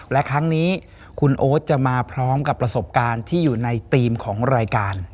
และครั้งนี้คุณโอ๊ตจะมาพร้อมกับประสบการณ์ที่อยู่ในธีมของรายการ